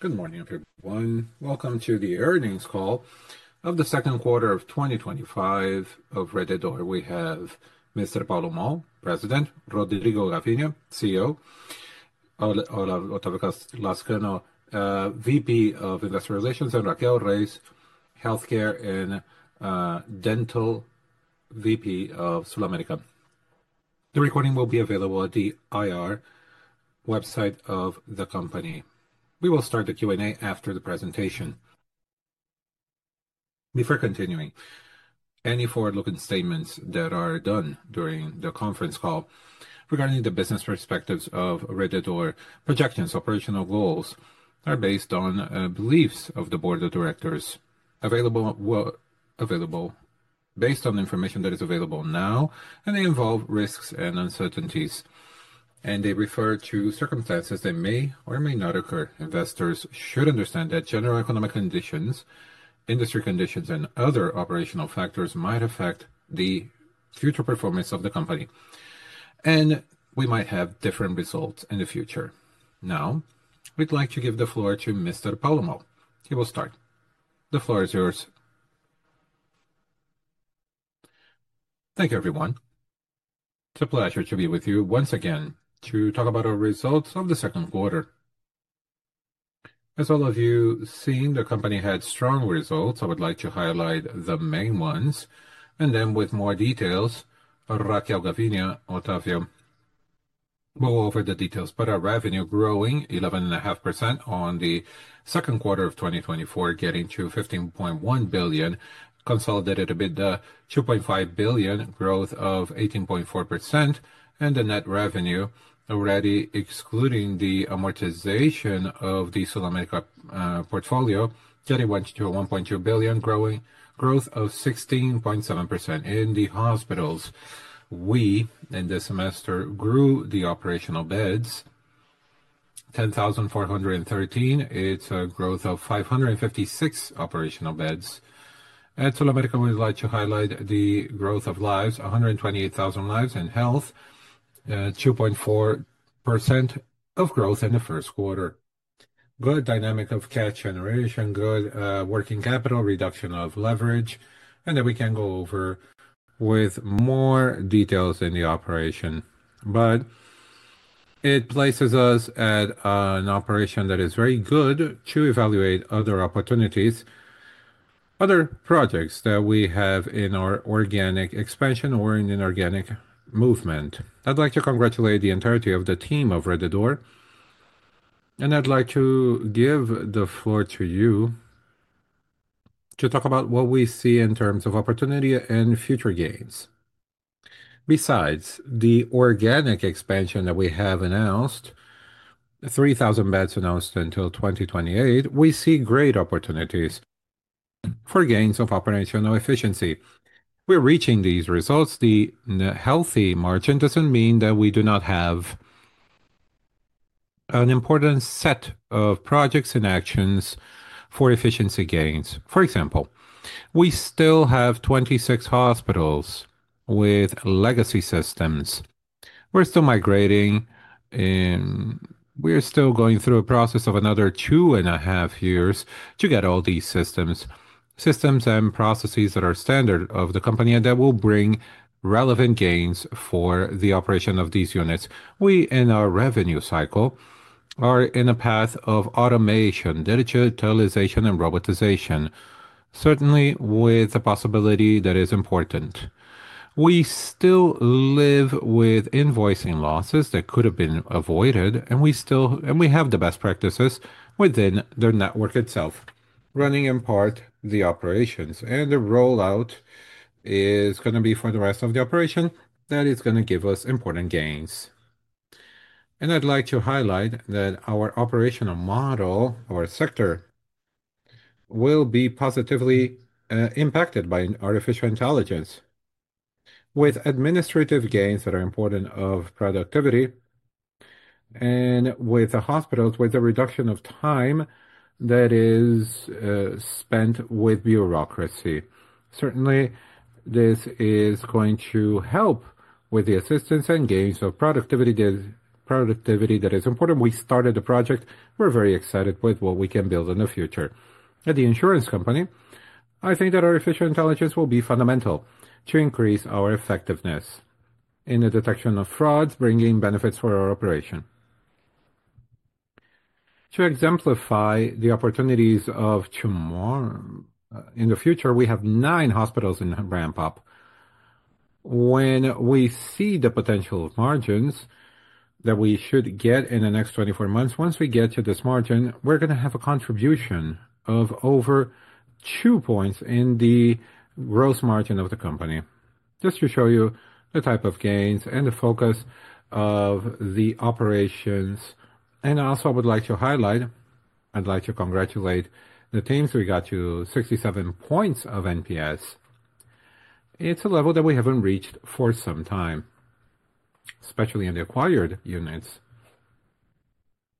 Good morning, everyone. Welcome to the earnings call of the second quarter of 2025 of Rede D'Or São Luiz. We have Mr. Paulo Moll, President; Rodrigo Gavina, CEO; Otávio Lazcano, Vice President of Investor Relations; and Raquel Reis, Vice President of Healthcare and Dental at SulAmérica. The recording will be available at the IR website of the company. We will start the Q&A after the presentation. Before continuing, any forward-looking statements that are done during the conference call regarding the business perspectives of Rede D'Or, projections, and operational goals are based on beliefs of the Board of Directors available based on the information that is available now, and they involve risks and uncertainties, and they refer to circumstances that may or may not occur. Investors should understand that general economic conditions, industry conditions, and other operational factors might affect the future performance of the company, and we might have different results in the future. Now, we'd like to give the floor to Mr. Paulo Moll. He will start. The floor is yours. Thank you, everyone. It's a pleasure to be with you once again to talk about our results on the second quarter. As all of you have seen, the company had strong results. I would like to highlight the main ones, and then with more details, Raquel, Gavina, and Otávio will go over the details. Our revenue is growing 11.5% in the second quarter of 2024, getting to 15.1 billion, consolidated with the 2.5 billion growth of 18.4%, and the net revenue, already excluding the amortization of the SulAmérica portfolio, getting to 1.2 billion, a growth of 16.7%. In the hospitals, in this semester, we grew the operational beds to 10,413. It's a growth of 556 operational beds. At SulAmérica, we'd like to highlight the growth of lives, 128,000 lives in health, 2.4% of growth in the first quarter. Good dynamic of cash generation, good working capital, reduction of leverage, and we can go over with more details in the operation. It places us at an operation that is very good to evaluate other opportunities, other projects that we have in our organic expansion or in an inorganic movement. I'd like to congratulate the entirety of the team of Rede D'Or, and I'd like to give the floor to you to talk about what we see in terms of opportunity and future gains. Besides the organic expansion that we have announced, 3,000 beds announced until 2028, we see great opportunities for gains of operational efficiency. We're reaching these results. The healthy margin doesn't mean that we do not have an important set of projects and actions for efficiency gains. For example, we still have 26 hospitals with legacy systems. We're still migrating, and we're still going through a process of another two and a half years to get all these systems and processes that are standard of the company and that will bring relevant gains for the operation of these units. We, in our revenue cycle, are in a path of automation, digitalization, and robotization, certainly with the possibility that is important. We still live with invoicing losses that could have been avoided, and we have the best practices within the network itself, running in part the operations, and the rollout is going to be for the rest of the operation that is going to give us important gains. I'd like to highlight that our operational model, our sector, will be positively impacted by artificial intelligence, with administrative gains that are important of productivity, and with the hospitals, with the reduction of time that is spent with bureaucracy. Certainly, this is going to help with the assistance and gains of productivity that is important. We started the project. We're very excited with what we can build in the future. At the insurance company, I think that artificial intelligence will be fundamental to increase our effectiveness in the detection of frauds, bringing benefits for our operation. To exemplify the opportunities of tomorrow, in the future, we have nine hospitals in ramp-up. When we see the potential margins that we should get in the next 24 months, once we get to this margin, we're going to have a contribution of over two points in the gross margin of the company, just to show you the type of gains and the focus of the operations. I also would like to highlight, I'd like to congratulate the teams we got to 67 points of NPS. It's a level that we haven't reached for some time, especially in the acquired units.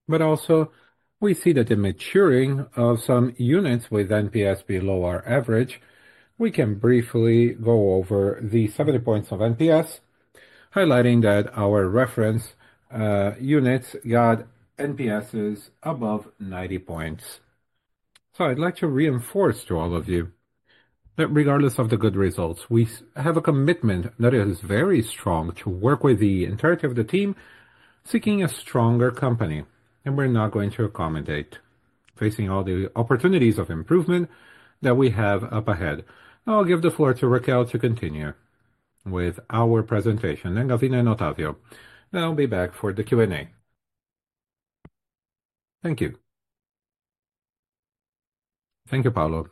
We see that the maturing of some units with NPS below our average. We can briefly go over the 70 points of NPS, highlighting that our reference units got NPSs above 90 points. I'd like to reinforce to all of you that regardless of the good results, we have a commitment that is very strong to work with the entirety of the team, seeking a stronger company, and we're not going to accommodate, facing all the opportunities of improvement that we have up ahead. I'll give the floor to Raquel to continue with our presentation, and Gavina and Otávio, and I'll be back for the Q&A. Thank you. Thank you, Paulo.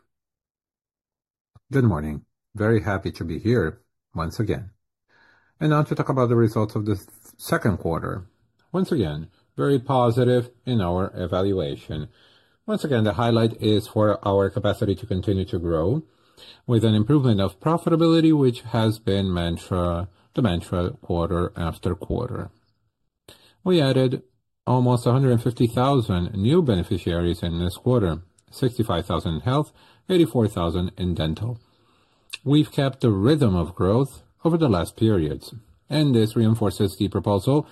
Good morning. Very happy to be here once again. Now to talk about the results of the second quarter. Once again, very positive in our evaluation. Once again, the highlight is for our capacity to continue to grow with an improvement of profitability, which has been the mantra quarter after quarter. We added almost 150,000 new beneficiaries in this quarter, 65,000 in health, 84,000 in dental. We've kept the rhythm of growth over the last periods, and this reinforces the proposal,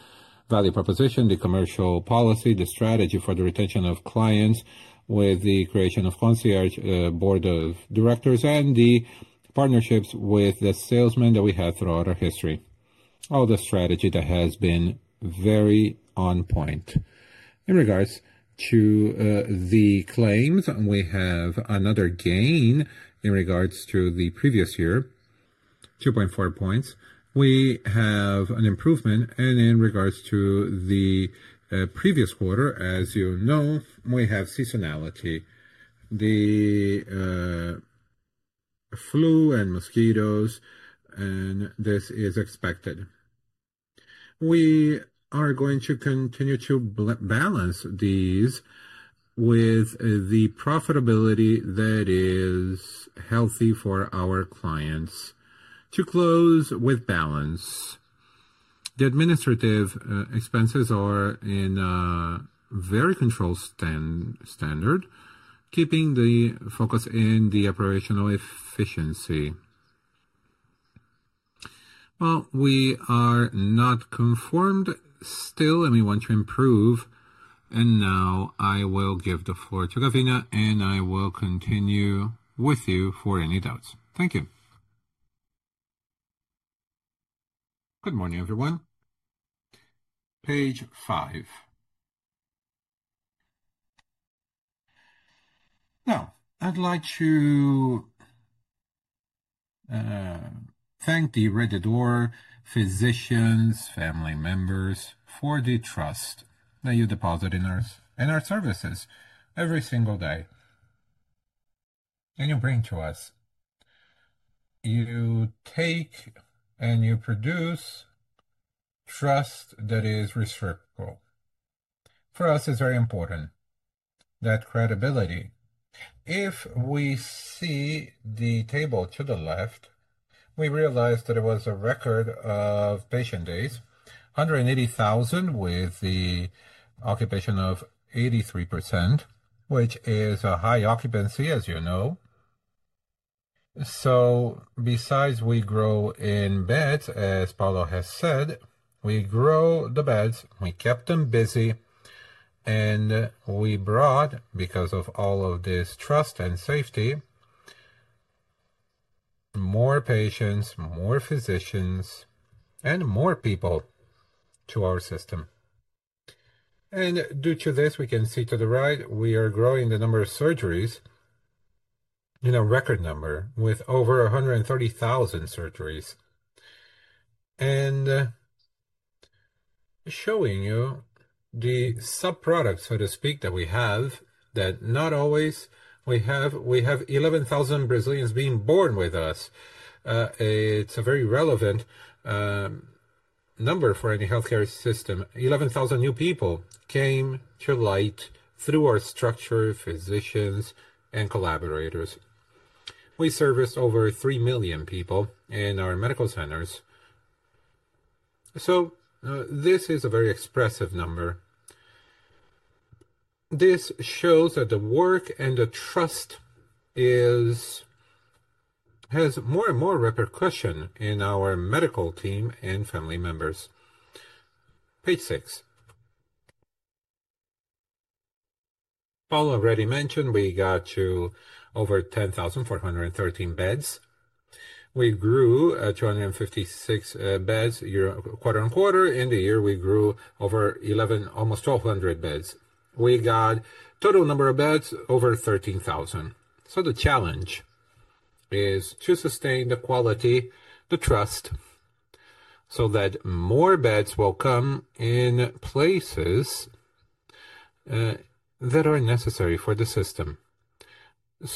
value proposition, the commercial policy, the strategy for the retention of clients with the creation of concierge board of directors, and the partnerships with the salesmen that we have throughout our history. All the strategy that has been very on point. In regards to the claims, we have another gain in regards to the previous year, 2.4 points. We have an improvement in regards to the previous quarter. As you know, we have seasonality: the flu and mosquitoes, and this is expected. We are going to continue to balance these with the profitability that is healthy for our clients. To close with balance, the administrative expenses are in a very controlled standard, keeping the focus in the operational efficiency. We are not confirmed still, and we want to improve. Now I will give the floor to Gavina, and I will continue with you for any doubts. Thank you. Good morning, everyone. Page five. Now, I'd like to thank the Rede D'Or physicians, family members, for the trust that you deposit in us and our services every single day. You bring to us, you take and you produce trust that is respectful. For us, it's very important that credibility. If we see the table to the left, we realize that it was a record of patient days, 180,000 with the occupation of 83%, which is a high occupancy, as you know. Besides we grow in beds, as Paulo has said, we grow the beds, we kept them busy, and we brought, because of all of this trust and safety, more patients, more physicians, and more people to our system. Due to this, we can see to the right, we are growing the number of surgeries, record number with over 130,000 surgeries, and showing you the subproducts, so to speak, that we have that not always we have. We have 11,000 Brazilians being born with us. It's a very relevant number for any healthcare system. 11,000 new people came to light through our structure, physicians, and collaborators. We serviced over 3 million people in our medical centers. This is a very expressive number. This shows that the work and the trust has more and more repercussions in our medical team and family members. Page six. Paulo already mentioned we got to over 10,413 beds. We grew 256 beds quarter on quarter. In the year, we grew over 1,100, almost 1,200 beds. We got a total number of beds over 13,000. The challenge is to sustain the quality, the trust, so that more beds will come in places that are necessary for the system.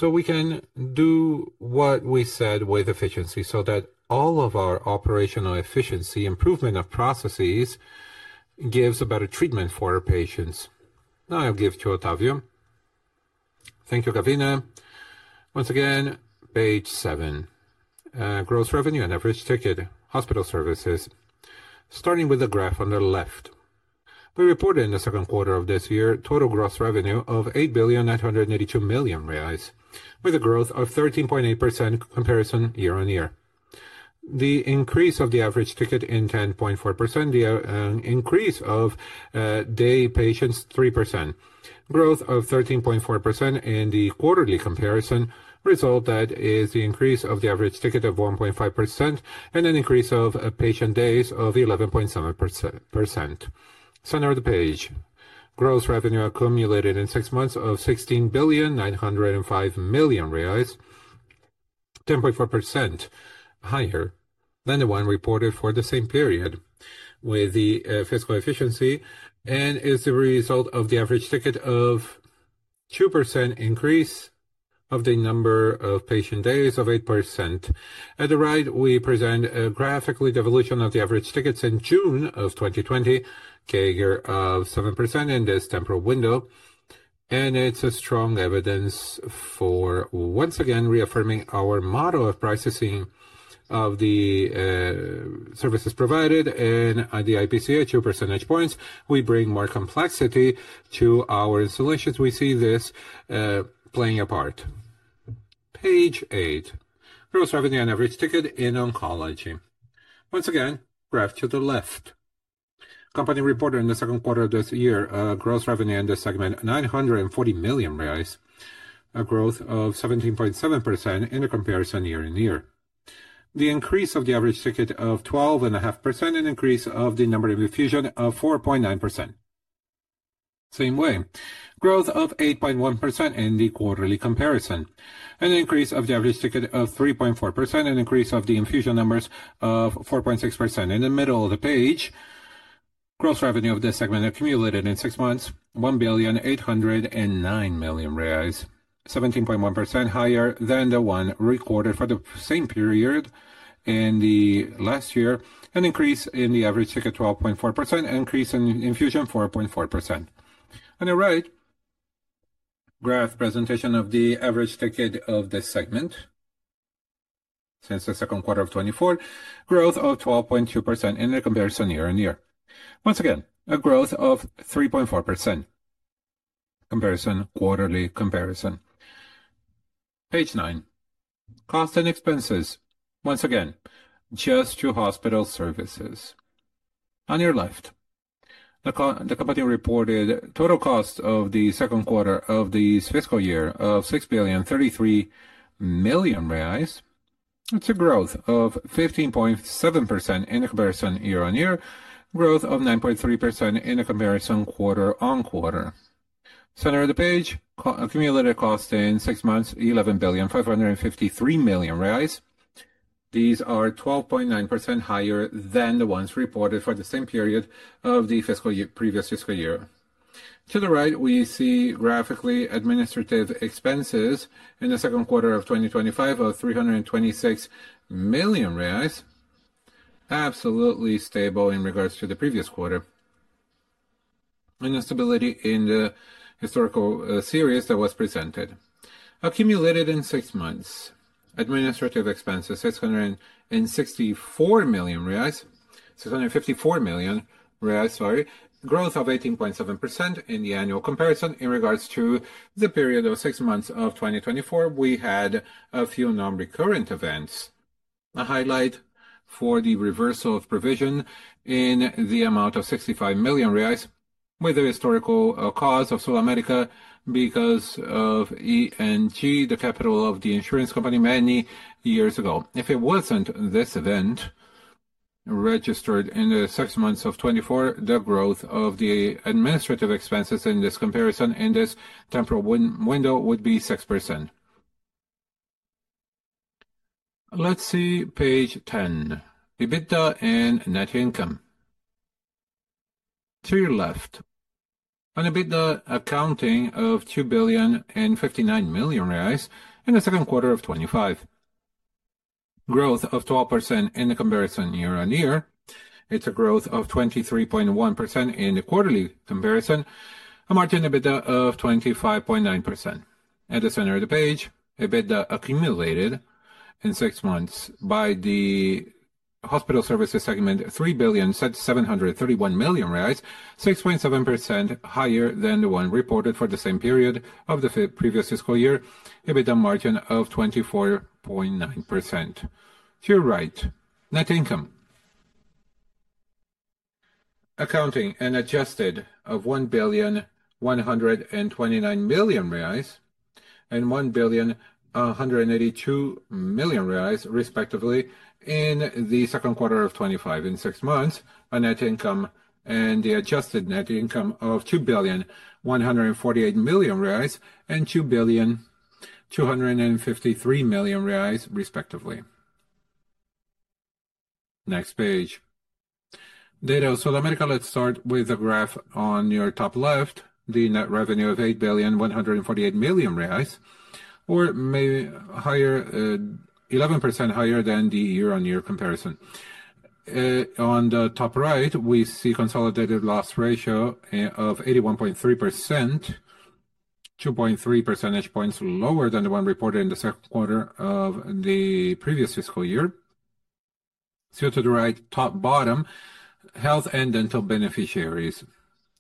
We can do what we said with efficiency so that all of our operational efficiency, improvement of processes gives a better treatment for our patients. Now I'll give to Otávio. Thank you, Gavina. Once again, page seven, gross revenue and average ticket hospital services. Starting with the graph on the left, we reported in the second quarter of this year, total gross revenue of 8.882 billion, with a growth of 13.8% comparison year on year. The increase of the average ticket in 10.4%, the increase of day patients 3%. Growth of 13.4% in the quarterly comparison result that is the increase of the average ticket of 1.5% and an increase of patient days of 11.7%. Center of the page. Gross revenue accumulated in six months of 16.905 billion, 10.4% higher than the one reported for the same period with the fiscal efficiency and is the result of the average ticket of 2% increase of the number of patient days of 8%. At the right, we present graphically the evolution of the average tickets in June of 2020, a year of 7% in this temporal window, and it's a strong evidence for once again reaffirming our model of processing of the services provided and the IPCA two percentage points. We bring more complexity to our solutions. We see this playing a part. Page eight, gross revenue and average ticket in oncology. Once again, graph to the left. Company reported in the second quarter of this year, gross revenue in the segment 940 million reais, a growth of 17.7% in the comparison year on year. The increase of the average ticket of 12.5% and increase of the number of infusions of 4.9%. Same way, growth of 8.1% in the quarterly comparison, and an increase of the average ticket of 3.4% and increase of the infusion numbers of 4.6%. In the middle of the page, gross revenue of the segment accumulated in six months, 1.809 billion reais, 17.1% higher than the one recorded for the same period in the last year, an increase in the average ticket 12.4% and increase in infusion 4.4%. On the right, graph presentation of the average ticket of the segment since the second quarter of 2024, growth of 12.2% in the comparison year on year. Once again, a growth of 3.4% comparison quarterly comparison. Page nine, cost and expenses. Once again, just two hospital services. On your left, the company reported total cost of the second quarter of the fiscal year of 6.033 billion. That's a growth of 15.7% in the comparison year on year, growth of 9.3% in the comparison quarter on quarter. Center of the page, accumulated cost in six months, 11.553 billion. These are 12.9% higher than the ones reported for the same period of the previous fiscal year. To the right, we see graphically administrative expenses in the second quarter of 2025 of 326 million reais, absolutely stable in regards to the previous quarter, and the stability in the historical series that was presented. Accumulated in six months, administrative expenses 664 million reais, 654 million reais, sorry, growth of 18.7% in the annual comparison in regards to the period of six months of 2024. We had a few non-recurrent events. A highlight for the reversal of provision in the amount of 65 million reais with the historical cause of SulAmérica because of E&G, the capital of the insurance company, many years ago. If it wasn't this event registered in the six months of 2024, the growth of the administrative expenses in this comparison in this temporal window would be 6%. Let's see page 10, EBITDA and net income. To your left, an EBITDA accounting of 2.059 billion in the second quarter of 2025. Growth of 12% in the comparison year on year. It's a growth of 23.1% in the quarterly comparison, a margin EBITDA of 25.9%. At the center of the page, EBITDA accumulated in six months by the hospital services segment 3.731 billion, 6.7% higher than the one reported for the same period of the previous fiscal year, EBITDA margin of 24.9%. To your right, net income accounting an adjusted of 1.129 billion and 1.182 billion, respectively, in the second quarter of 2025. In six months, a net income and the adjusted net income of 2.148 billion and 2.253 billion, respectively. Next page. Data of SulAmérica. Let's start with the graph on your top left, the net revenue of 8.148 billion, or maybe higher, 11% higher than the year-on-year comparison. On the top right, we see a consolidated loss ratio of 81.3%, 2.3 percentage points lower than the one reported in the second quarter of the previous fiscal year. To the right, top bottom, health and dental beneficiaries.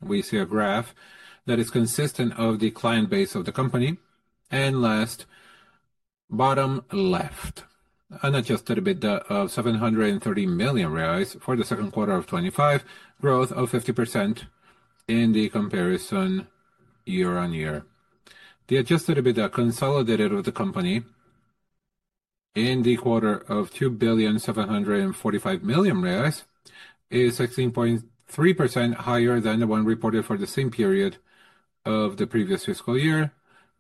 We see a graph that is consistent of the client base of the company. Last, bottom left, an adjusted EBITDA of 730 million reais for the second quarter of 2025, growth of 50% in the comparison year on year. The adjusted EBITDA consolidated with the company in the quarter of 2.745 billion reais is 16.3% higher than the one reported for the same period of the previous fiscal year.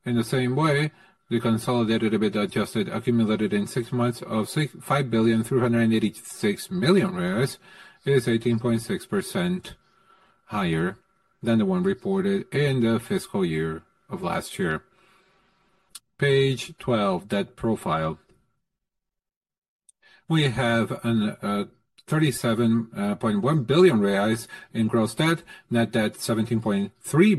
In the same way, the consolidated EBITDA adjusted accumulated in six months of 5.386 billion is 18.6% higher than the one reported in the fiscal year of last year. Page 12, debt profile. We have 37.1 billion reais in gross debt, net debt 17.3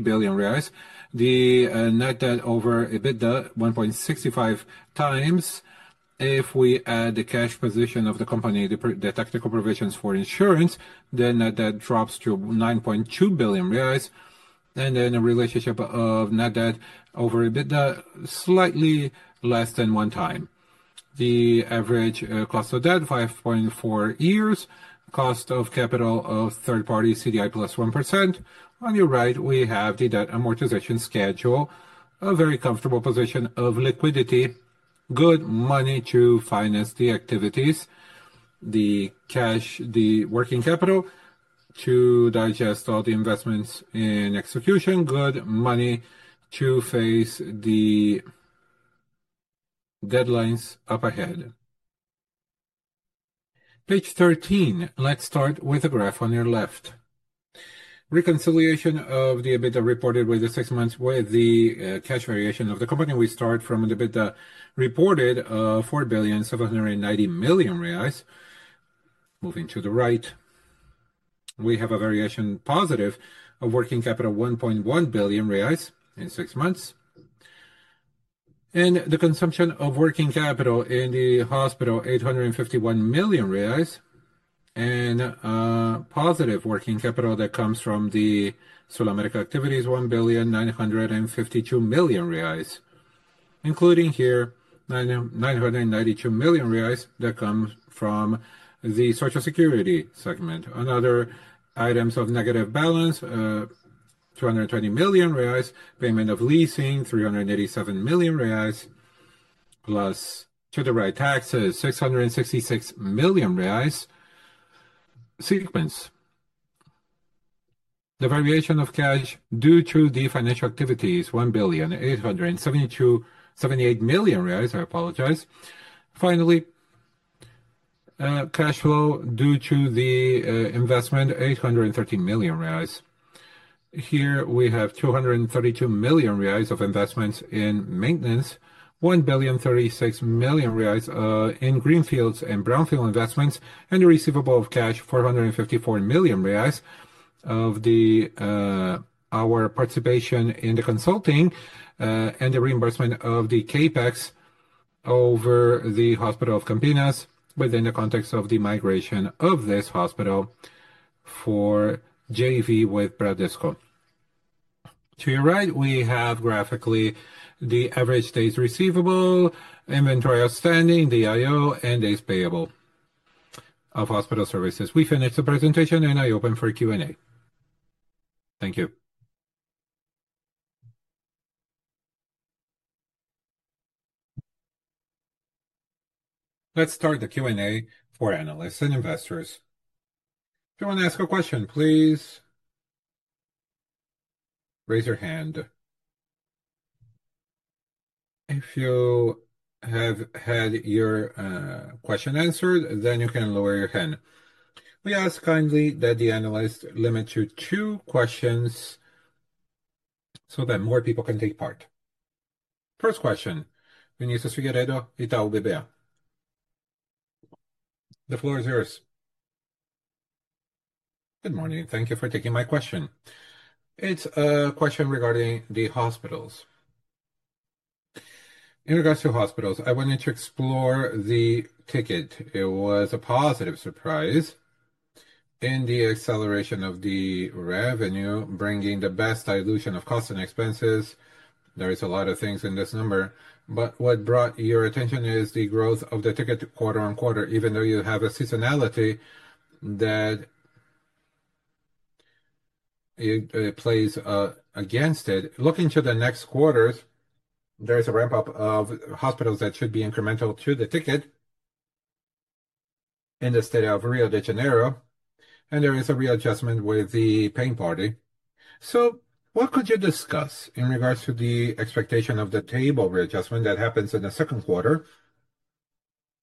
billion reais. The net debt over EBITDA 1.65x. If we add the cash position of the company, the technical provisions for insurance, the net debt drops to 9.2 billion reais, and then a relationship of net debt over EBITDA slightly less than one time. The average cost of debt, 5.4 years, cost of capital of third-party CDI +1%. On your right, we have the debt amortization schedule, a very comfortable position of liquidity, good money to finance the activities, the cash, the working capital to digest all the investments in execution, good money to face the deadlines up ahead. Page 13. Let's start with a graph on your left. Reconciliation of the EBITDA reported with the six months with the cash variation of the company. We start from the EBITDA reported of 4.79 billion. Moving to the right, we have a variation positive of working capital 1.1 billion reais in six months, and the consumption of working capital in the hospital, 851 million reais, and a positive working capital that comes from the SulAmérica activities, 1.952 billion reais, including here, 992 million reais that come from the Social Security segment. Other items of negative balance, 220 million reais, payment of leasing, 387 million reais, plus to the right taxes, 666 million reais. The variation of cash due to the financial activities, 1.878 billion, I apologize. Finally, cash flow due to the investment, 813 million reais. Here we have 232 million reais of investments in maintenance, 1.036 billion in greenfields and brownfield investments, and a receivable of cash, 454 million reais of our participation in the consulting and the reimbursement of the CapEx over the Hospital of Campinas, within the context of the migration of this hospital for JV with Bradesco. To your right, we have graphically the average days receivable, inventory outstanding, the IO, and days payable of hospital services. We finish the presentation, and I open for Q&A. Thank you. Let's start the Q&A for analysts and investors. If you want to ask a question, please raise your hand. If you have had your question answered, then you can lower your hand. We ask kindly that the analysts limit to two questions so that more people can take part. First question. Vinicius Figueiredo from Itaú BBA. The floor is yours. Good morning. Thank you for taking my question. It's a question regarding the hospitals. In regards to hospitals, I wanted to explore the ticket. It was a positive surprise in the acceleration of the revenue, bringing the best dilution of costs and expenses. There are a lot of things in this number, but what brought your attention is the growth of the ticket quarter on quarter, even though you have a seasonality that plays against it. Looking to the next quarters, there's a ramp-up of hospitals that should be incremental to the ticket in the state of Rio de Janeiro, and there is a readjustment with the pain party. What could you discuss in regards to the expectation of the table readjustment that happens in the second quarter?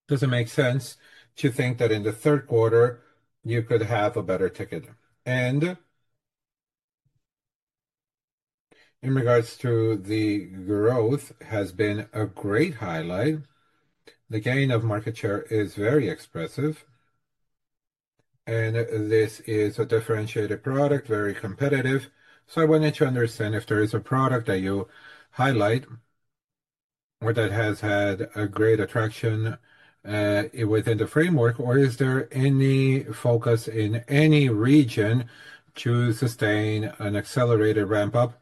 Does it make sense to think that in the third quarter you could have a better ticket? In regards to the growth, it has been a great highlight. The gain of market share is very expressive, and this is a differentiated product, very competitive. I wanted to understand if there is a product that you highlight or that has had a great attraction within the framework, or is there any focus in any region to sustain an accelerated ramp-up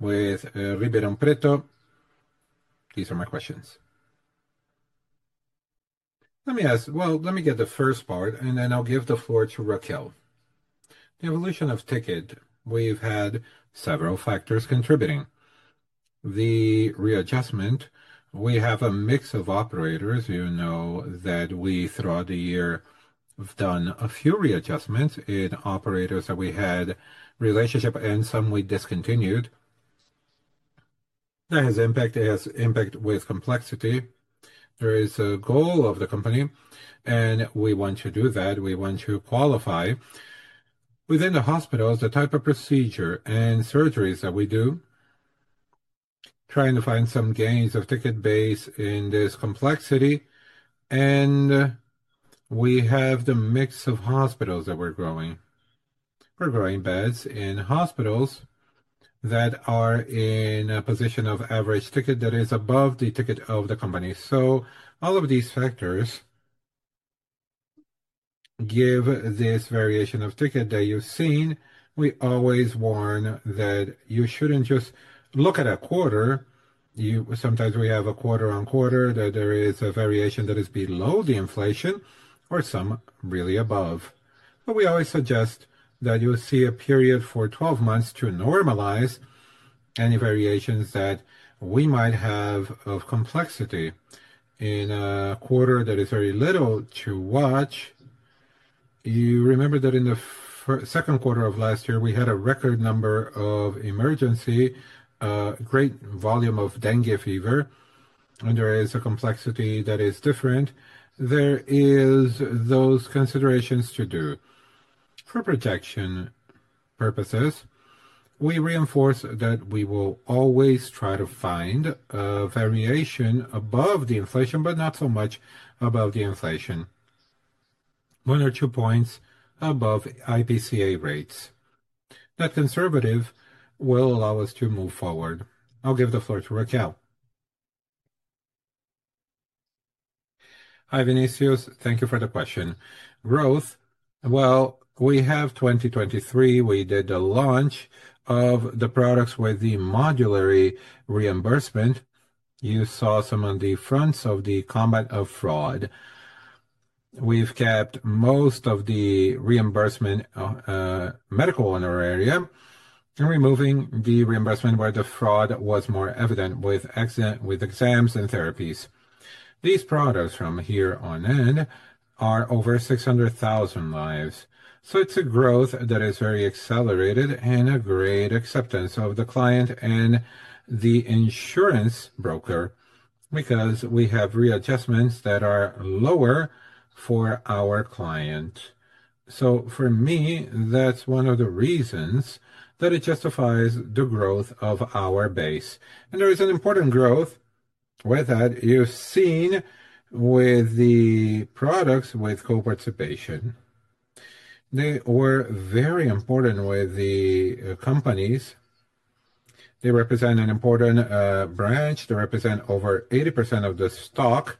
with Ribeirão Preto? These are my questions. Let me ask. Let me get the first part, and then I'll give the floor to Raquel. The evolution of ticket, we've had several factors contributing. The readjustment, we have a mix of operators. You know that we throughout the year have done a few readjustments in operators that we had relationships and some we discontinued. That has impact, has impact with complexity. There is a goal of the company, and we want to do that. We want to qualify within the hospitals, the type of procedure and surgeries that we do, trying to find some gains of ticket base in this complexity. We have the mix of hospitals that we're growing. We're growing beds in hospitals that are in a position of average ticket that is above the ticket of the company. All of these factors give this variation of ticket that you've seen. We always warn that you shouldn't just look at a quarter. Sometimes we have a quarter on quarter that there is a variation that is below the inflation or some really above. We always suggest that you see a period for 12 months to normalize any variations that we might have of complexity. In a quarter that is very little to watch, you remember that in the second quarter of last year, we had a record number of emergency, a great volume of dengue fever, and there is a complexity that is different. There are those considerations to do. For protection purposes, we reinforce that we will always try to find a variation above the inflation, but not so much above the inflation. One or two points above IPCA rates. That conservative will allow us to move forward. I'll give the floor to Raquel. Hi, Vinicius. Thank you for the question. Growth, we have 2023. We did the launch of the products with the modular reimbursement. You saw some on the fronts of the combat of fraud. We've kept most of the reimbursement medical honorarium, removing the reimbursement where the fraud was more evident with exams and therapies. These products from here on in are over 600,000 lives. It's a growth that is very accelerated and a great acceptance of the client and the insurance broker because we have readjustments that are lower for our client. For me, that's one of the reasons that it justifies the growth of our base. There is an important growth with that you've seen with the products with co-participation. They were very important with the companies. They represent an important branch. They represent over 80% of the stock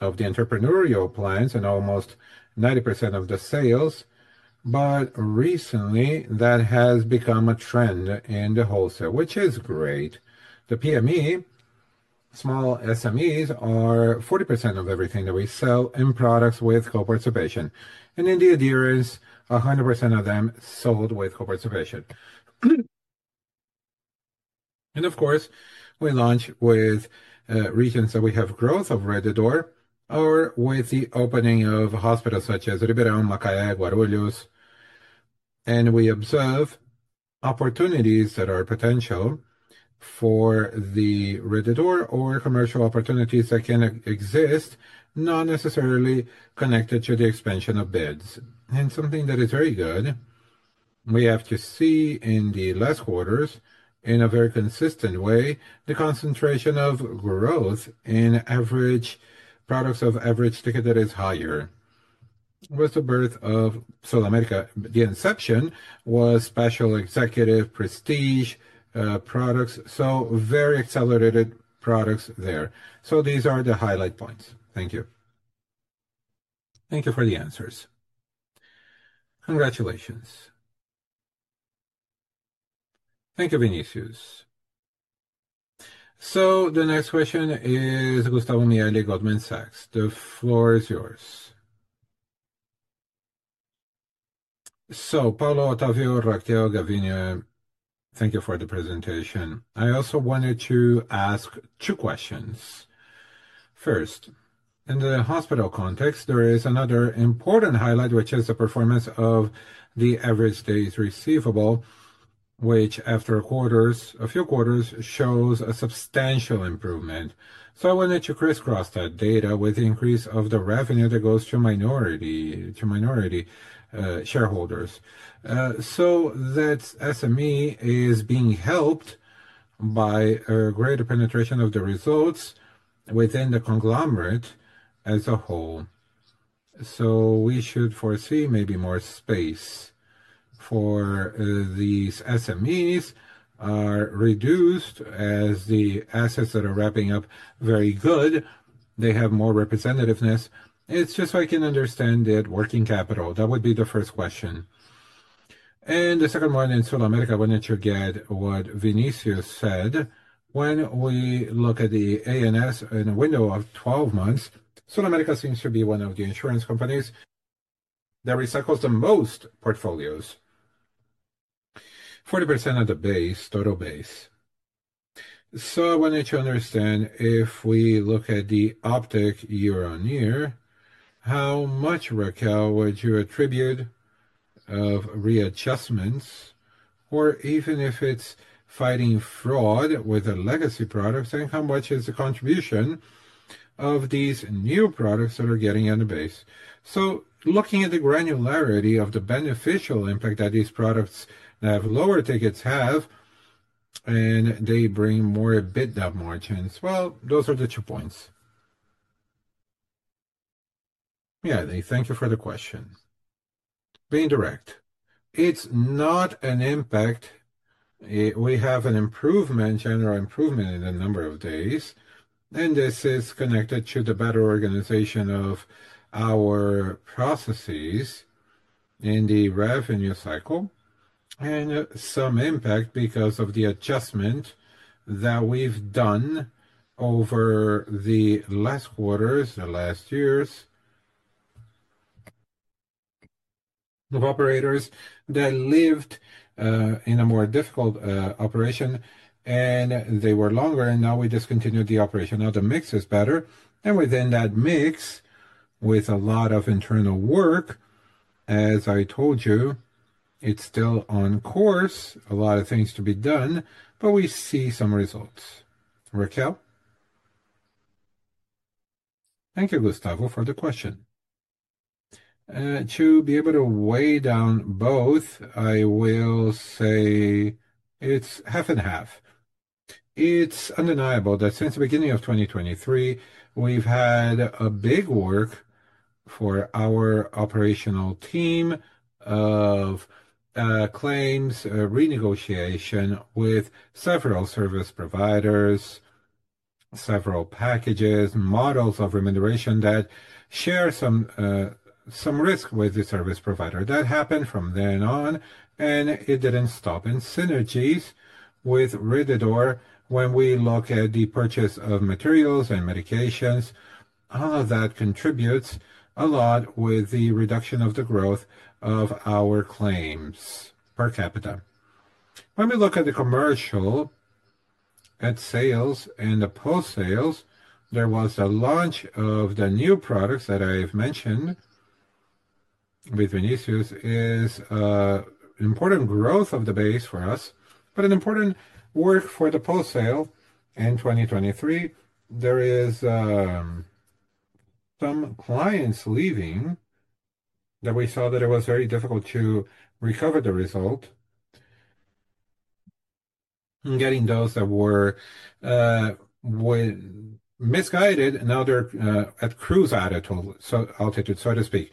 of the entrepreneurial plans and almost 90% of the sales. Recently, that has become a trend in the wholesale, which is great. The PME, small SMEs, are 40% of everything that we sell in products with co-participation. In the adherence, 100% of them sold with co-participation. Of course, we launch with regions where we have growth of Rede D'Or or with the opening of hospitals such as Ribeirão Preto, Macaé, Guarulhos. We observe opportunities that are potential for Rede D'Or or commercial opportunities that can exist, not necessarily connected to the expansion of beds. Something that is very good, we have seen in the last quarters, in a very consistent way, is the concentration of growth in average products of average ticket that is higher. With the birth of SulAmérica, the inception was special executive prestige products. Very accelerated products there. These are the highlight points. Thank you. Thank you for the answers. Congratulations. Thank you, Vinicius. The next question is Gustavo Miele, Goldman Sachs. The floor is yours. Paulo, Otávio, Raquel, Gavina, thank you for the presentation. I also wanted to ask two questions. First, in the hospital context, there is another important highlight, which is the performance of the average days receivable, which after a few quarters shows a substantial improvement. I wanted to crisscross that data with the increase of the revenue that goes to minority shareholders, so that SME is being helped by a greater penetration of the results within the conglomerate as a whole. We should foresee maybe more space for these SMEs are reduced as the assets that are ramping up very good. They have more representativeness. I can understand that working capital. That would be the first question. The second one in SulAmérica, I wanted to get what Vinicius said. When we look at the ANS in a window of 12 months, SulAmérica seems to be one of the insurance companies that recycles the most portfolios, 40% of the total base. I wanted to understand if we look at the uptake year on year, how much, Raquel, would you attribute of readjustments, or even if it's fighting fraud with a legacy product, and how much is the contribution of these new products that are getting in the base? Looking at the granularity of the beneficial impact that these products have, lower tickets have, and they bring more EBITDA margins. Those are the two points. Thank you for the question. Being direct, it's not an impact. We have an improvement, general improvement in a number of days, and this is connected to the better organization of our processes in the revenue cycle and some impact because of the adjustment that we've done over the last quarters, the last years of operators that lived in a more difficult operation, and they were longer, and now we discontinued the operation. Now the mix is better, and within that mix, with a lot of internal work, as I told you, it's still on course, a lot of things to be done, but we see some results. Raquel? Thank you, Gustavo, for the question. To be able to weigh down both, I will say it's half and half. It's undeniable that since the beginning of 2023, we've had a big work for our operational team of claims, renegotiation with several service providers, several packages, models of remuneration that share some risk with the service provider. That happened from then on, and it didn't stop in synergies with Rede D'Or when we look at the purchase of materials and medications. All of that contributes a lot with the reduction of the growth of our claims per capita. When we look at the commercial, at sales, and the post-sales, there was a launch of the new products that I've mentioned with Vinicius. It's an important growth of the base for us, but an important work for the post-sale. In 2023, there are some clients leaving that we saw that it was very difficult to recover the result. Getting those that were misguided, now they're at cruise additional tickets, so to speak.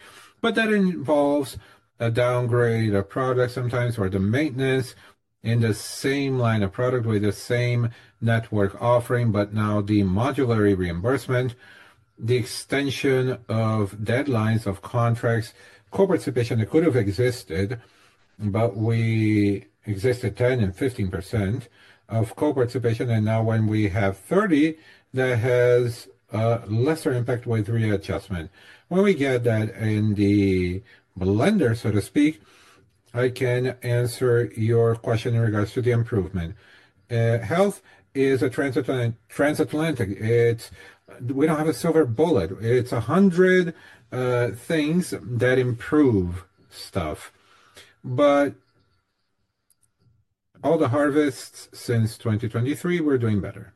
That involves a downgrade of products sometimes or the maintenance in the same line of product with the same network offering, but now the modular reimbursement, the extension of deadlines of contracts, co-participation that could have existed, but we existed 10% and 15% of co-participation, and now when we have 30%, that has a lesser impact with readjustment. When we get that in the blender, so to speak, I can answer your question in regards to the improvement. Health is a transatlantic. We don't have a silver bullet. It's 100 things that improve stuff. All the harvests since 2023, we're doing better.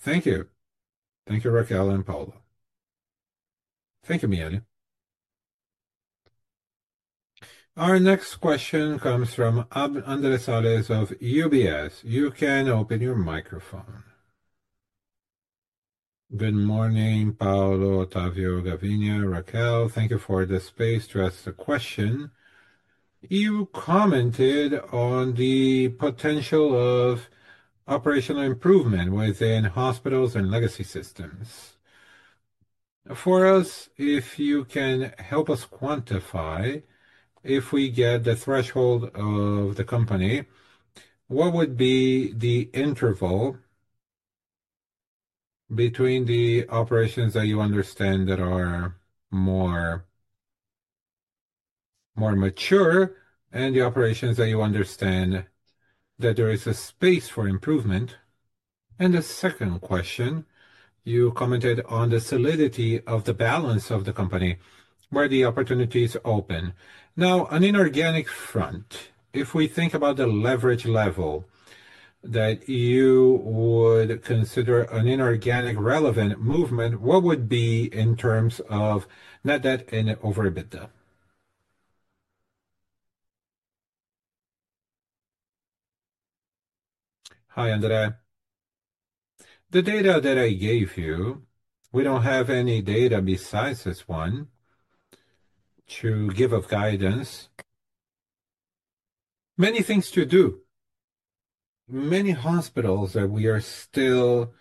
Thank you. Thank you, Raquel and Paulo. Thank you, Miele. Our next question comes from [Andres Sales] of UBS. You can open your microphone. Good morning, Paulo, Otávio, Gavina, Raquel. Thank you for the space to ask the question. You commented on the potential of operational improvement within hospitals and legacy systems. For us, if you can help us quantify, if we get the threshold of the company, what would be the interval between the operations that you understand that are more mature and the operations that you understand that there is a space for improvement? The second question, you commented on the solidity of the balance of the company where the opportunities open. Now, on an inorganic front, if we think about the leverage level that you would consider an inorganic relevant movement, what would be in terms of net debt/EBITDA? Hi, [Andres]. The data that I gave you, we don't have any data besides this one to give us guidance. Many things to do. Many hospitals that we are still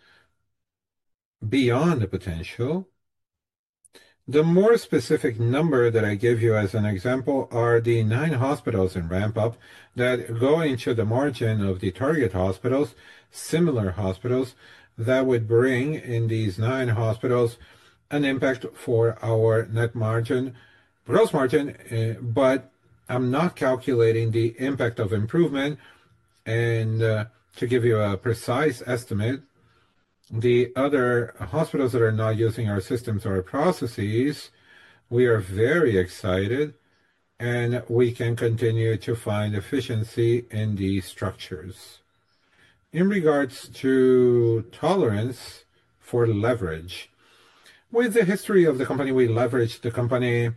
beyond the potential. The more specific number that I give you as an example are the nine hospitals in ramp-up that go into the margin of the target hospitals, similar hospitals that would bring in these nine hospitals an impact for our net margin, gross margin, but I'm not calculating the impact of improvement. To give you a precise estimate, the other hospitals that are not using our systems or processes, we are very excited, and we can continue to find efficiency in these structures. In regards to tolerance for leverage, with the history of the company, we leveraged the company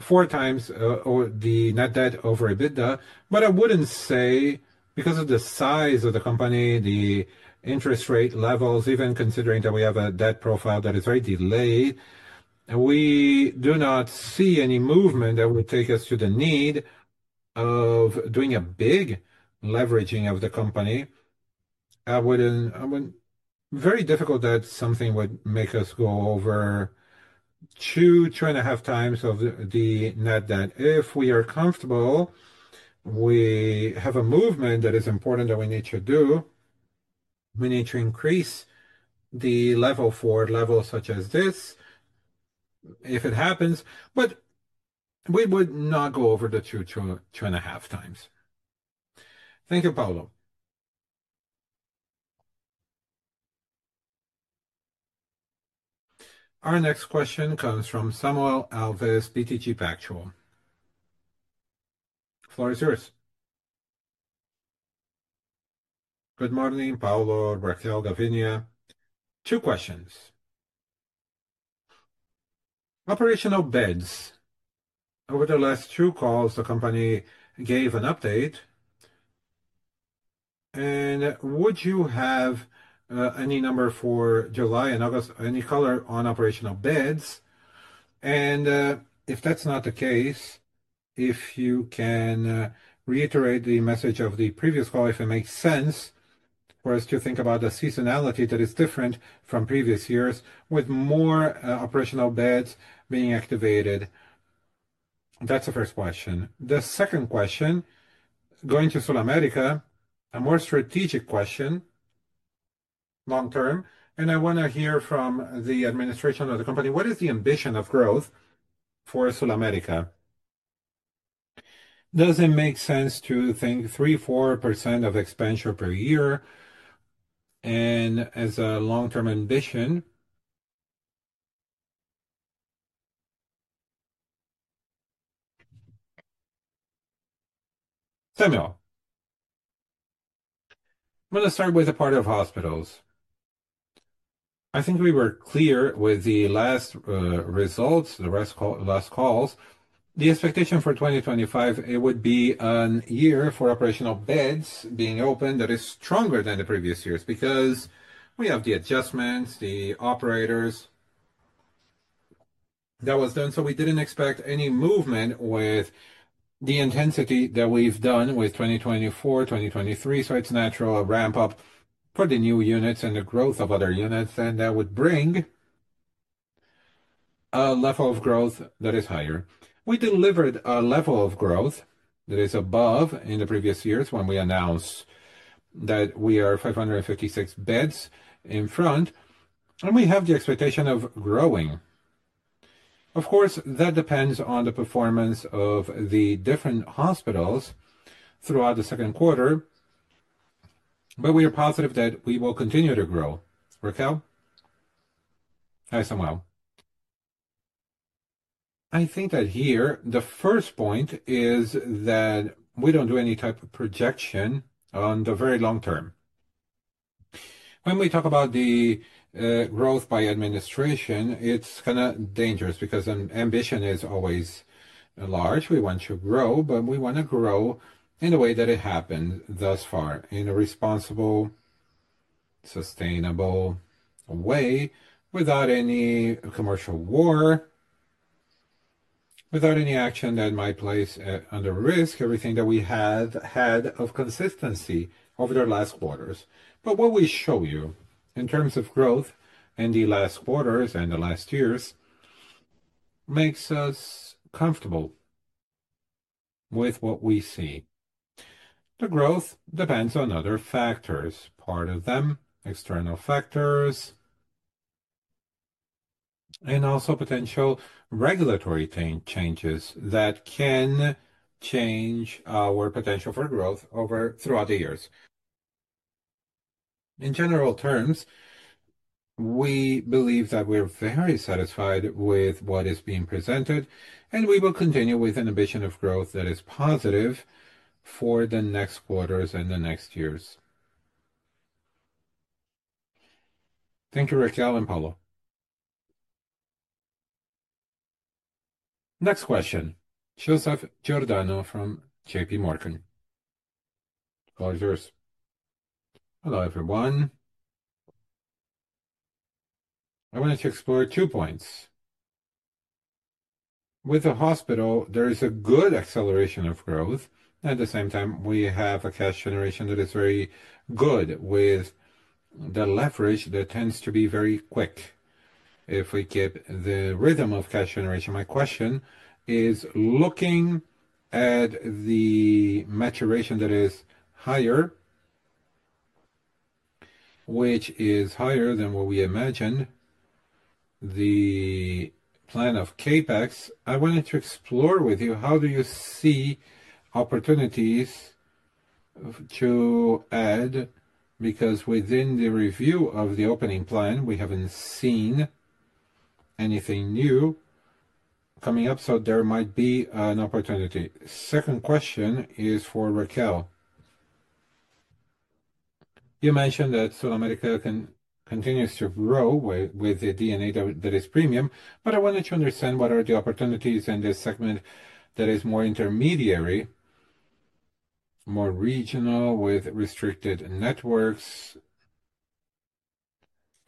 four times the net debt/EBITDA, but I wouldn't say because of the size of the company, the interest rate levels, even considering that we have a debt profile that is very delayed, we do not see any movement that would take us to the need of doing a big leveraging of the company. I wouldn't, very difficult that something would make us go over 2x-2.5x of the net debt. If we are comfortable, we have a movement that is important that we need to do. We need to increase the level for levels such as this if it happens, but we would not go over the 2x-2.5x. Thank you, Paulo. Our next question comes from Samuel Alves BTG Pactual. Floor is yours. Good morning, Paulo, Raquel, Gavina. Two questions. Operational beds. Over the last two calls, the company gave an update. Would you have any number for July and August, any color on operational beds? If that's not the case, if you can reiterate the message of the previous call, if it makes sense for us to think about the seasonality that is different from previous years with more operational beds being activated. That's the first question. The second question, going to SulAmérica, a more strategic question, long-term, and I want to hear from the administration of the company. What is the ambition of growth for SulAmérica? Does it make sense to think 3%, 4% of expansion per year as a long-term ambition? Samuel. I'm going to start with the part of hospitals. I think we were clear with the last results, the last calls. The expectation for 2025, it would be a year for operational beds being open that is stronger than the previous years because we have the adjustments, the operators that were done. We didn't expect any movement with the intensity that we've done with 2024, 2023. It's natural a ramp-up for the new units and the growth of other units, and that would bring a level of growth that is higher. We delivered a level of growth that is above in the previous years when we announced that we are 556 beds in front, and we have the expectation of growing. Of course, that depends on the performance of the different hospitals throughout the second quarter, but we are positive that we will continue to grow. Raquel? Hi, Samuel. I think that here the first point is that we don't do any type of projection on the very long term. When we talk about the growth by administration, it's kind of dangerous because ambition is always large. We want to grow, but we want to grow in a way that it happened thus far in a responsible, sustainable way without any commercial war, without any action that might place under risk everything that we have had of consistency over the last quarters. What we show you in terms of growth in the last quarters and the last years makes us comfortable with what we see. The growth depends on other factors, part of them, external factors, and also potential regulatory changes that can change our potential for growth throughout the years. In general terms, we believe that we're very satisfied with what is being presented, and we will continue with an ambition of growth that is positive for the next quarters and the next years. Thank you, Raquel and Paulo. Next question, Joseph Giordano from JPMorgan. Floor is yours. Hello everyone. I wanted to explore two points. With the hospital, there is a good acceleration of growth, and at the same time, we have a cash generation that is very good with the leverage that tends to be very quick. If we get the rhythm of cash generation, my question is looking at the maturation that is higher, which is higher than what we imagined, the plan of CapEx. I wanted to explore with you how do you see opportunities to add because within the review of the opening plan, we haven't seen anything new coming up, so there might be an opportunity. The second question is for Raquel. You mentioned that SulAmérica continues to grow with the DNA that is premium, but I wanted to understand what are the opportunities in this segment that is more intermediary, more regional, with restricted networks,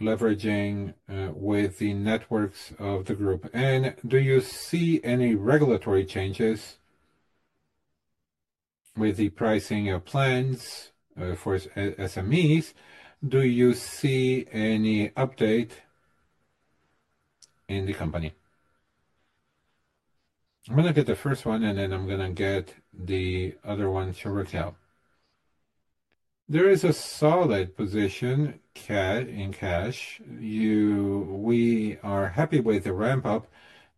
leveraging with the networks of the group. Do you see any regulatory changes with the pricing of plans for SMEs? Do you see any update in the company? I'm going to get the first one, and then I'm going to get the other one to Raquel. There is a solid position in cash. We are happy with the ramp-up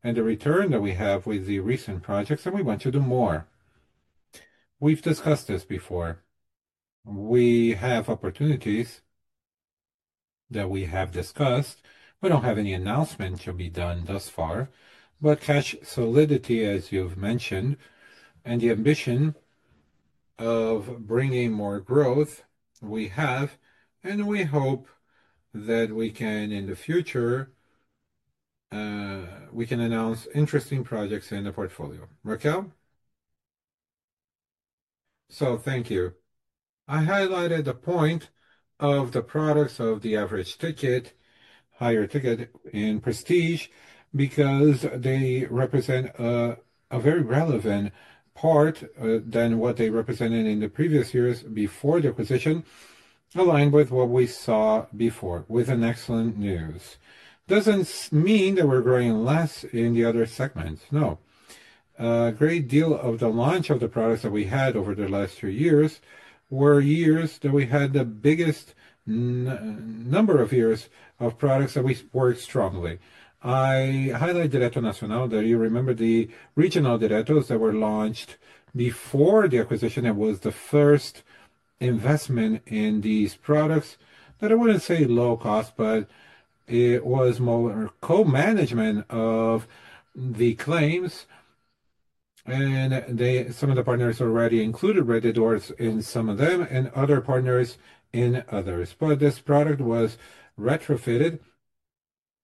and the return that we have with the recent projects, and we want to do more. We've discussed this before. We have opportunities that we have discussed. We don't have any announcement to be done thus far, but cash solidity, as you've mentioned, and the ambition of bringing more growth, we have, and we hope that we can, in the future, we can announce interesting projects in the portfolio. Raquel? Thank you. I highlighted the point of the products of the average ticket, higher ticket in prestige, because they represent a very relevant part than what they represented in the previous years before the position, aligned with what we saw before, with excellent news. It doesn't mean that we're growing less in the other segments. No. A great deal of the launch of the products that we had over the last two years were years that we had the biggest number of years of products that we worked strongly. I highlighted Direto Nacional, that you remember the regional diretos that were launched before the acquisition. It was the first investment in these products that I wouldn't say low cost, but it was more co-management of the claims, and some of the partners already included Rede D'Or in some of them and other partners in others. This product was retrofitted. There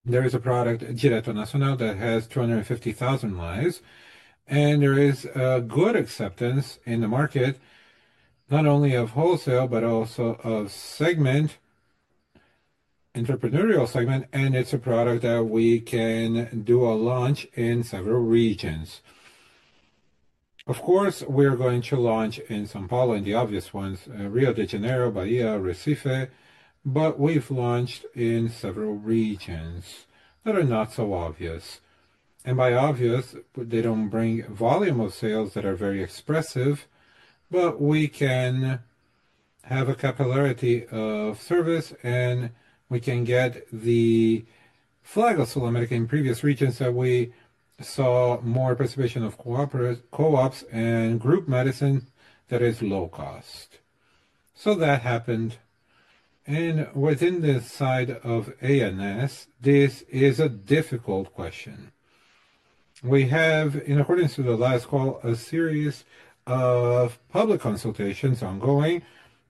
is a product, Direto Nacional, that has 250,000 lives, and there is a good acceptance in the market, not only of wholesale, but also of segment, entrepreneurial segment, and it's a product that we can do a launch in several regions. Of course, we're going to launch in São Paulo, in the obvious ones, Rio de Janeiro, Bahia, Recife, but we've launched in several regions that are not so obvious. By obvious, they don't bring volume of sales that are very expressive, but we can have a capillarity of service, and we can get the flag of SulAmérica in previous regions that we saw more participation of co-ops and group medicine that is low cost. That happened. Within this side of ANS, this is a difficult question. We have, in accordance with the last call, a series of public consultations ongoing,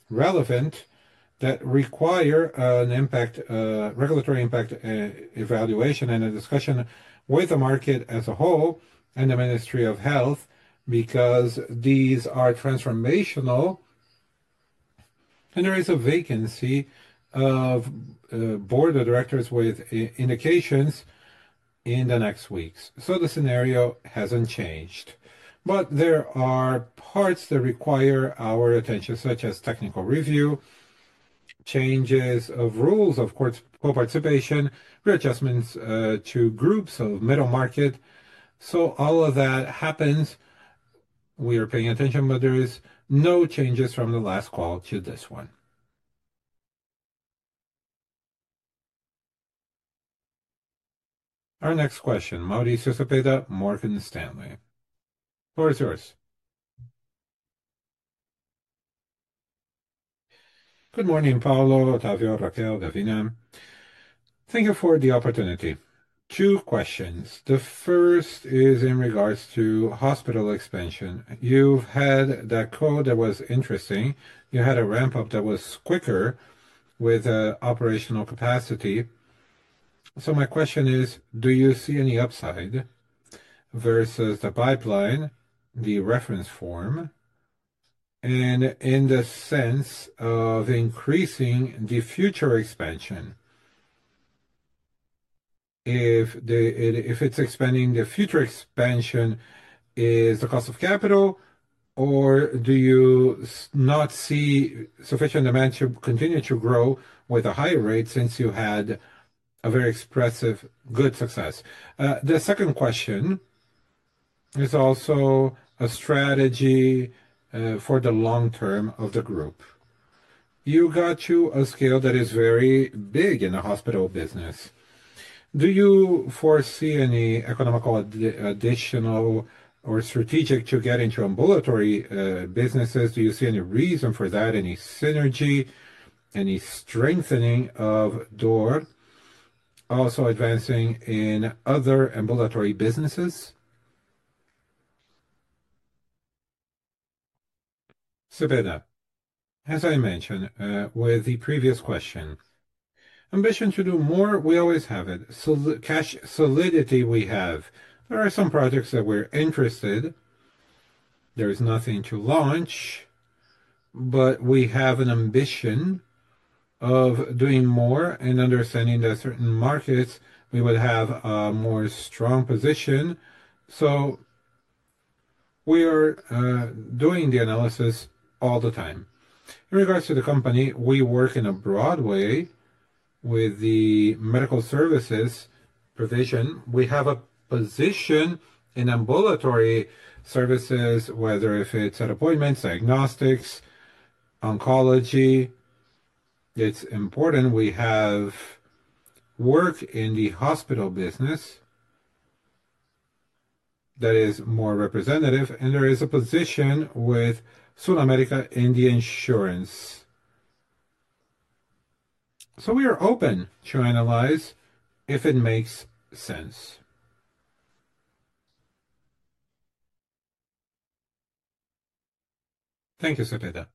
relevant, that require an impact, regulatory impact evaluation, and a discussion with the market as a whole and the Ministry of Health because these are transformational, and there is a vacancy of board of directors with indications in the next weeks. The scenario hasn't changed. There are parts that require our attention, such as technical review, changes of rules, of course, co-participation, readjustments to groups, so middle market. All of that happens. We are paying attention, but there are no changes from the last call to this one. Our next question, Mauricio Cepeda, Morgan Stanley. Floor is yours. Good morning, Paulo, Otávio, Raquel, Gavina. Thank you for the opportunity. Two questions. The first is in regards to hospital expansion. You've had that code that was interesting. You had a ramp-up that was quicker with operational capacity. My question is, do you see any upside versus the pipeline, the reference form, and in the sense of increasing the future expansion? If it's expanding, the future expansion is the cost of capital, or do you not see sufficient demand to continue to grow with a higher rate since you had a very expressive, good success? The second question is also a strategy for the long term of the group. You got to a scale that is very big in the hospital business. Do you foresee any economical additional or strategic to get into ambulatory businesses? Do you see any reason for that, any synergy, any strengthening of D'Or, also advancing in other ambulatory businesses? Cepeda, as I mentioned with the previous question, ambition to do more, we always have it. Cash solidity we have. There are some projects that we're interested. There's nothing to launch, but we have an ambition of doing more and understanding that certain markets we would have a more strong position. We are doing the analysis all the time. In regards to the company, we work in a broad way with the medical services provision. We have a position in ambulatory services, whether if it's at appointments, diagnostics, oncology. It's important we have work in the hospital business that is more representative, and there is a position with SulAmérica in the insurance. We are open to analyze if it makes sense. Thank you, Cepeda.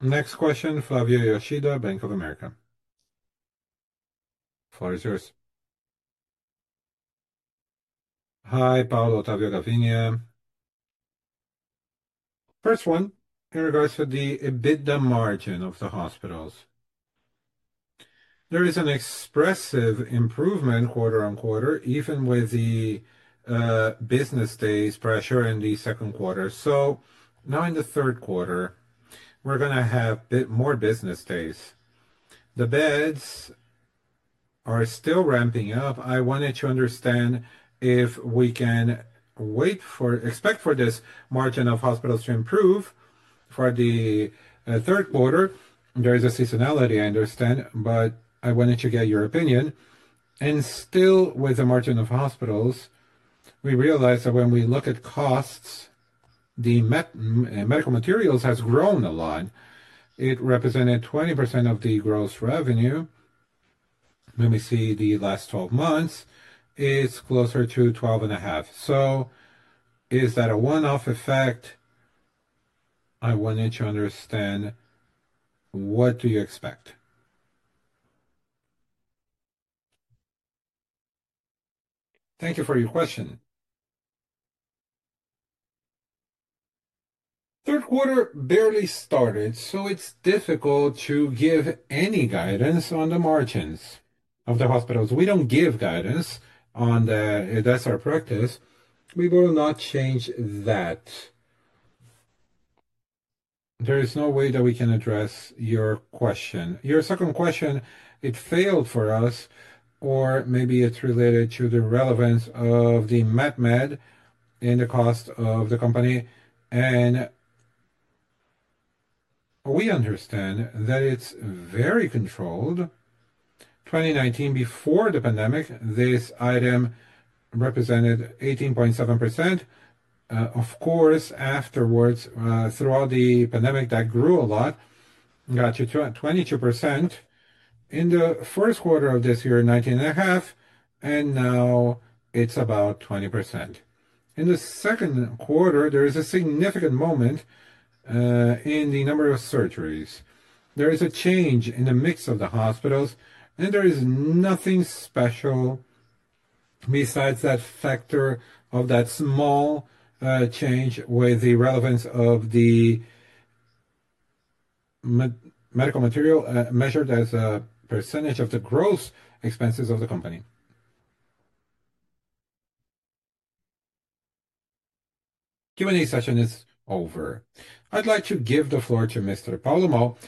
Next question, Flavio Yoshida, Bank of America. Floor is yours. Hi, Paulo, Otávio, Gavina. First one, in regards to the EBITDA margin of the hospitals. There is an expressive improvement quarter on quarter, even with the business days pressure in the second quarter. Now in the third quarter, we're going to have more business days. The beds are still ramping up. I wanted to understand if we can wait for, expect for this margin of hospitals to improve for the third quarter. There is a seasonality, I understand, but I wanted to get your opinion. Still, with the margin of hospitals, we realize that when we look at costs, the medical materials has grown a lot. It represented 20% of the gross revenue. Let me see the last 12 months. It's closer to 12.5%. Is that a one-off effect? I wanted to understand what do you expect? Thank you for your question. Third quarter barely started, it's difficult to give any guidance on the margins of the hospitals. We don't give guidance on that. That's our practice. We will not change that. There is no way that we can address your question. Your second question, it failed for us, or maybe it's related to the relevance of the medical material in the cost of the company. We understand that it's very controlled. In 2019, before the pandemic, this item represented 18.7%. Of course, afterwards, throughout the pandemic, that grew a lot. It got to 22% in the first quarter of this year, 19.5%, and now it's about 20%. In the second quarter, there is a significant moment in the number of surgeries. There is a change in the mix of the hospitals, and there is nothing special besides that factor of that small change with the relevance of the medical material measured as a percentage of the gross expenses of the company. Q&A session is over. I'd like to give the floor to Mr. Paulo Moll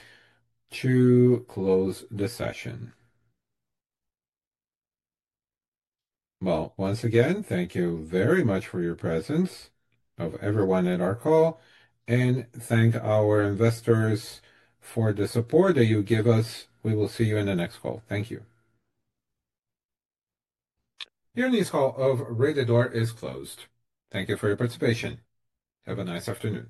to close the session. Thank you very much for your presence of everyone at our call, and thank our investors for the support that you give us. We will see you in the next call. Thank you. The earnings call of Rede D'Or is closed. Thank you for your participation. Have a nice afternoon.